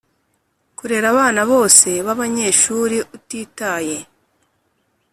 Kurera abana bose b abanyeshuri utitaye